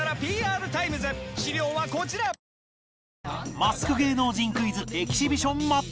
マスク芸能人クイズエキシビションマッチ